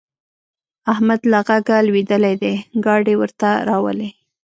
احمد له غږه لوېدلی دی؛ ګاډی ورته راولي.